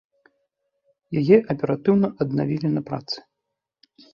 Яе аператыўна аднавілі на працы.